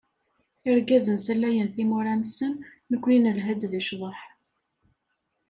Irgazen salayen timura-nsen, nekkni nelha-d di cḍeḥ.